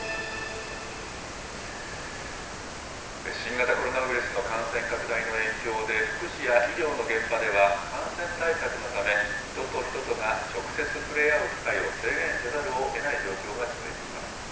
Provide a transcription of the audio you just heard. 新型コロナウイルスの感染拡大の影響で、福祉や医療の現場では、感染対策のため、人と人とが直接触れ合う機会を制限せざるをえない状況が続いています。